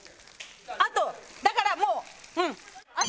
あとだからもううん。